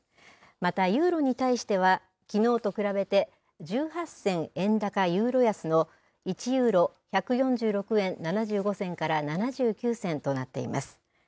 またユーロに対しては、きのうと比べて１８銭円高ユーロ安の１ユーロ１４６円７５銭から７９銭となっています。